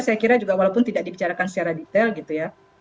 saya kira juga walaupun tidak dibicarakan secara detail gitu ya